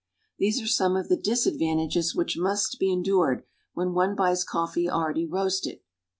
These are some of the disadvantages which must be endured when one buys coffee already roasted.